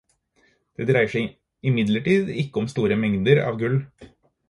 Det dreier seg imidlertid ikke om store mengder av gull.